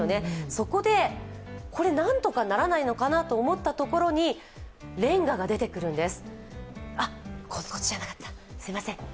そこで、これ何とかならないのかなと思ったところにれんがが出てくるんです。